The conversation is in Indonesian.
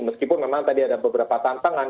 meskipun memang tadi ada beberapa tantangan